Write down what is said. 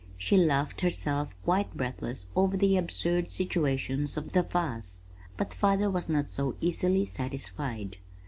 She laughed herself quite breathless over the absurd situations of the farce but father was not so easily satisfied.